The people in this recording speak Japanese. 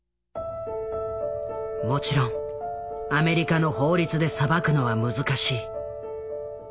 もちろんアメリカの法律で裁くのは難しい。